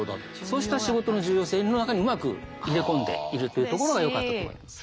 そうした仕事の重要性の中にうまく入れ込んでいるというところがよかったと思います。